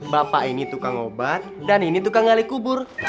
bapak ini tukang obat dan ini tukang ngali kubur